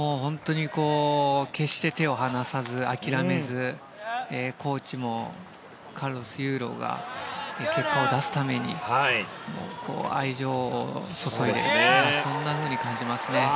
決して手を放さず、諦めずコーチもカルロス・ユーロが結果を出すために愛情を注いでそんなふうに感じますね。